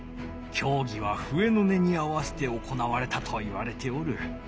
きょうぎはふえの音に合わせて行われたといわれておる。